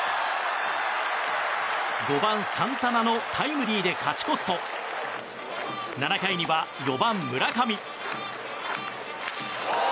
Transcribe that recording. ５番、サンタナのタイムリーで勝ち越すと７回には、４番、村上。